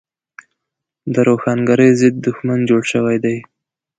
د روښانګرۍ ضد دښمن جوړ شوی دی.